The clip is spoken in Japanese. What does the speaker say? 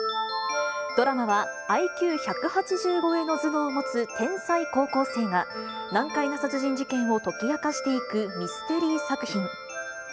ドラマはＩＱ１８０超えの頭脳を持つ天才高校生が、難解な殺人事件を解き明かしていくミステリー作品。